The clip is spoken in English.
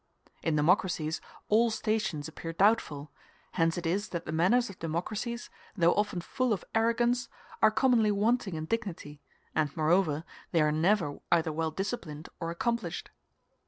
In democracies all stations appear doubtful; hence it is that the manners of democracies, though often full of arrogance, are commonly wanting in dignity, and, moreover, they are never either well disciplined or accomplished.